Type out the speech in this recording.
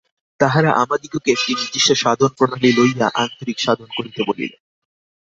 তাঁহারা আমাদিগকে একটি নির্দিষ্ট সাধনপ্রণালী লইয়া আন্তরিক সাধন করিতে বলেন।